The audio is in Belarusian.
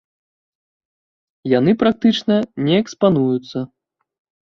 Яны практычна не экспануюцца.